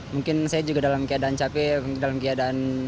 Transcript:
mungkin saya juga dalam keadaan capek dalam keadaan